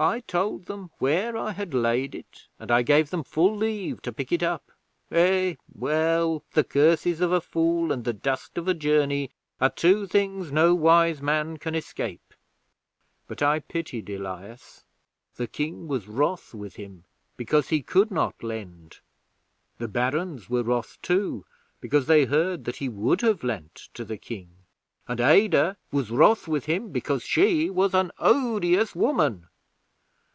I told them where I had laid it, and I gave them full leave to pick it up ... Eh, well! The curses of a fool and the dust of a journey are two things no wise man can escape ... But I pitied Elias! The King was wroth with him because he could not lend; the Barons were wroth too because they heard that he would have lent to the King; and Adah was wroth with him because she was an odious woman.